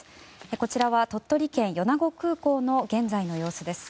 こちらは鳥取県米子空港の現在の様子です。